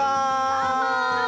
どうも！